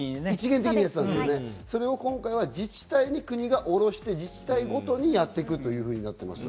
一元的にね。それを今回は自治体に国が下ろして自治体ごとにやっていくとなっています。